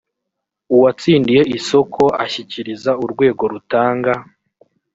uwatsindiye isoko ashyikiriza urwego rutanga